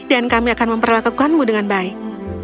dan kami akan memperlakukanmu dengan baik